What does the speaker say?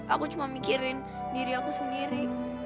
aku cuma mikirin diri aku sendiri